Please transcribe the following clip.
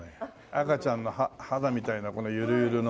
赤ちゃんの肌みたいなこのゆるゆるのほら。